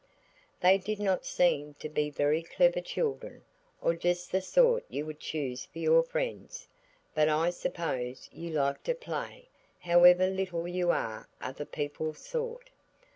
They did not seem to be very clever children, or just the sort you would choose for your friends, but I suppose you like to play, however little you are other people's sort.